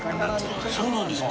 そうなんですか？